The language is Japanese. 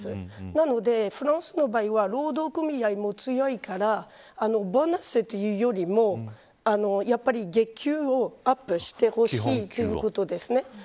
なのでフランスの場合は労働組合も強いからボーナスというよりもやっぱり月給をアップしてほしいということですね。